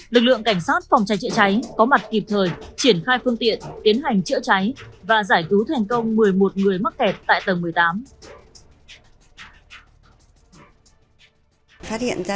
lực lượng cảnh sát phòng cháy chữa cháy có mặt kịp thời triển khai phương tiện tiến hành chữa cháy và giải cứu thành công một mươi một người mắc kẹt tại tầng một mươi tám